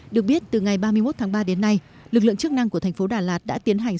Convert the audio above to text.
được biết từ ngày ba mươi một tháng ba đến nay lực lượng chức năng của thành phố đà lạt đã tiến hành